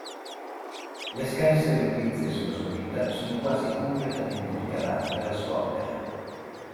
Le scarse notizie sulla sua vita sono quasi completamente ricavate dalla sua opera.